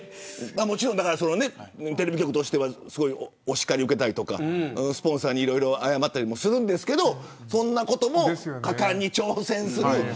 テレビ局としてはお叱りを受けたりとかスポンサーに謝ったりもしますがそんなことも果敢に挑戦する。